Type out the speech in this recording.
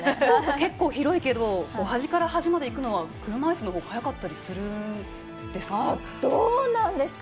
結構広いけど端から端まで行くのは車いすのほうが速かったりするんですか？